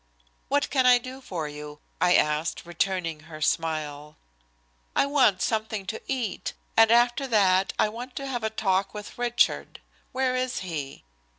"What can I do for you?" I asked, returning her smile. "I want something to eat, and after that I want to have a talk with Richard. Where is he?"